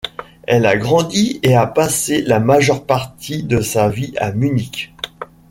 Elle a grandi et a passé la majeure partie de sa vie à Munich.